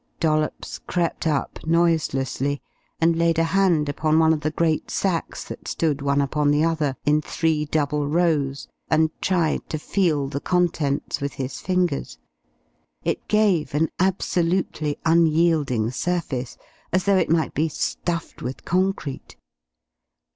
Dollops crept up noiselessly and laid a hand upon one of the great sacks that stood one upon the other in three double rows, and tried to feel the contents with his fingers. It gave an absolutely unyielding surface, as though it might be stuffed with concrete.